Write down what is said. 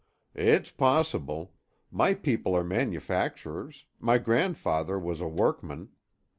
"It's possible. My people are manufacturers; my grandfather was a workman.